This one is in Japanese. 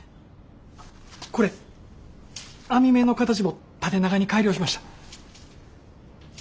これ網目の形も縦長に改良しました。